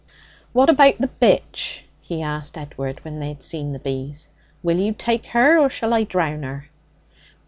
'What about the bitch?' he asked Edward when they had seen the bees. 'Will you take her, or shall I drown her?'